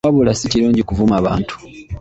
Wabula si kirungi kuvuma bantu.